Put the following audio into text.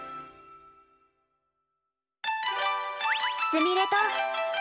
すみれと。